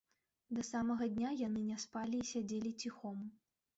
Да самага дня яны не спалі і сядзелі ціхом.